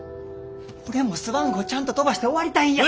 俺もスワン号ちゃんと飛ばして終わりたいんや。